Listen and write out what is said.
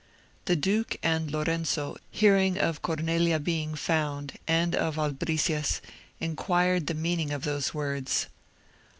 The duke and Lorenzo hearing of Cornelia being found, and of albricias, inquired the meaning of those words.